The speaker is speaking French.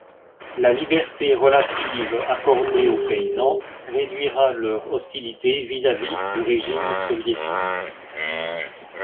La liberté relative accordée aux paysans réduira leur hostilité vis-à-vis du régime soviétique.